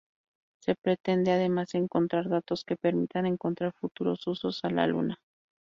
Se pretende, además, encontrar datos que permitan encontrar futuros usos a la Luna.